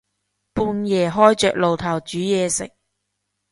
半夜開着爐頭煮嘢食